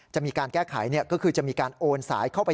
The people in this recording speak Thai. จะมีการแก้ไขก็คือจะมีการโอนสายเข้าไป